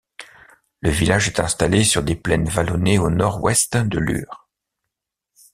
Le village est installé sur des plaines vallonnées au nord-ouest de Lure.